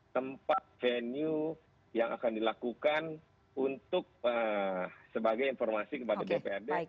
tempat venue yang akan dilakukan untuk sebagai informasi kepada dprd